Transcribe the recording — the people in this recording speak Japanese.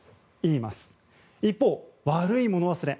一方、悪いもの忘れ。